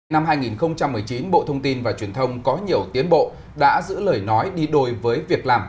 năm hai nghìn một mươi chín bộ thông tin và truyền thông có nhiều tiến bộ đã giữ lời nói đi đôi với việc làm